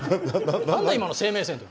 何だ今の「生命線」って。